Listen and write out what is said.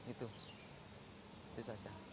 itu itu saja